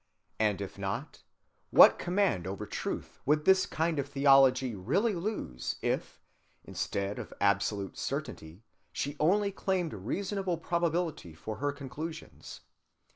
And if not, what command over truth would this kind of theology really lose if, instead of absolute certainty, she only claimed reasonable probability for her conclusions?